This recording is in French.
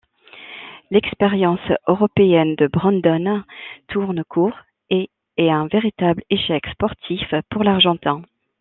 L'expérience européenne de Brandan tourne court et est un véritable échec sportif pour l'argentin.